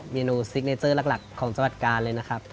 เมนูซิกเนเจอร์หลักของจังหวัดกาลเลยนะครับ